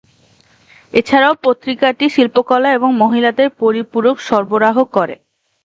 এছাড়াও, পত্রিকাটি শিল্পকলা এবং মহিলাদের পরিপূরক সরবরাহ করে।